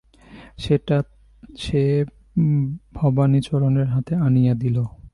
সেটা সে ভবানীচরণের হাতে আনিয়া দিল।